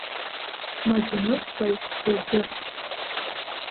Ҳмаӡаныҟәгаҩ дыздырт…